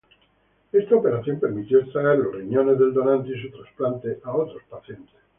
Esta operación permitió extraer los riñones del donante y su trasplante a otros pacientes.